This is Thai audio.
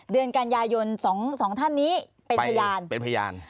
เดือนกันยายนสองสองท่านนี้เป็นพยานเป็นพยาน